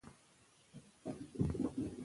لیکوال په خپل نثر کې.